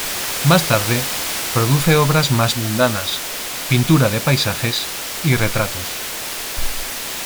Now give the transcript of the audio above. Más tarde, produce obras más mundanas, pintura de paisajes y retratos.